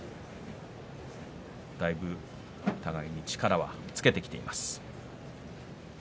だいぶ互いに力をつけてきています。